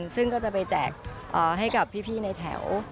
ซึ่งก็จะไปแจกให้กับพี่ในแถว